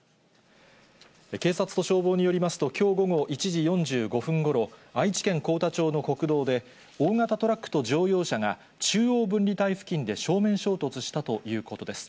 警察と消防によりますと、きょう午後１時４５分ごろ、愛知県幸田町の国道で、大型トラックと乗用車が、中央分離帯付近で正面衝突したということです。